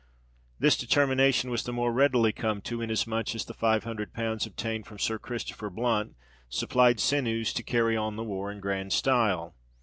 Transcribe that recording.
This determination was the more readily come to, inasmuch as the five hundred pounds obtained from Sir Christopher Blunt, supplied sinews to carry on the war in grand style.